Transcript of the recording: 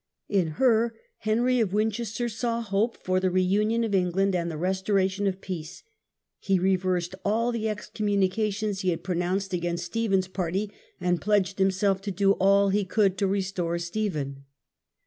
In her Henry of Winchester saw hope for the reunion of England and the restoration of peace. He reversed all the excommunications he had pronounced against Stephen's party, and pledged himself to do all he could to restore Stephen.